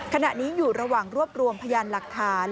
ขณะนี้อยู่ระหว่างรวบรวมพยานหลักฐาน